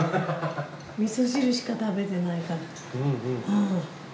味噌汁しか食べてないから。